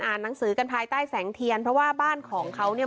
หนังสือกันภายใต้แสงเทียนเพราะว่าบ้านของเขาเนี่ย